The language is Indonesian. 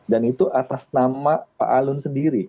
dan itu atas nama pak alun sendiri